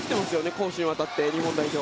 攻守にわたって日本代表。